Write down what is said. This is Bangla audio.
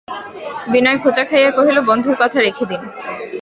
বিনয় খোঁচা খাইয়া কহিল, বন্ধুর কথা রেখে দিন।